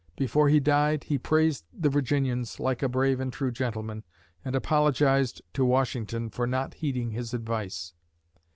Before he died, he praised the Virginians, like a brave and true gentleman, and apologized to Washington for not heeding his advice.